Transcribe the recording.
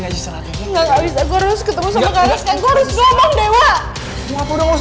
gak harus ketemu sama clara sekarang